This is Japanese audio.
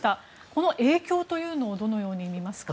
この影響というのをどのように見ますか？